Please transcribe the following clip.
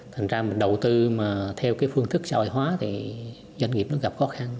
thành ra mình đầu tư mà theo cái phương thức xã hội hóa thì doanh nghiệp nó gặp khó khăn